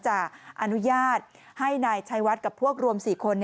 จะอนุญาตให้นายชัยวัดกับพวกรวม๔คน